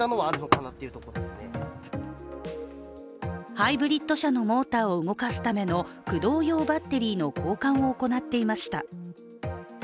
ハイブリッド車のモーターを動かすための駆動用バッテリーの交換を行っていました。